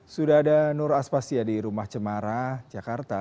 sudah ada nur aspasya di rumah cemara jakarta